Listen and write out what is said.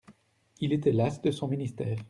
Il était las de son ministère.